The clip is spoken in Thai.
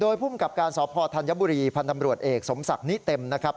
โดยผู้กลับการสอบภอร์ทันยะภูมิพันธรรมรวชเอกสมศักดิ์นิเต็มนะครับ